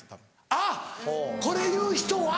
あっこれ言う人は。